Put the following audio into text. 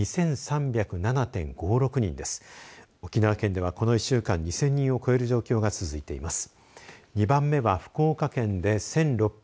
沖縄県ではこの１週間、２０００人を超える状況が続いています。